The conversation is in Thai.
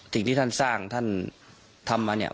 สิ่งที่ท่านสร้างท่านทำมาเนี่ย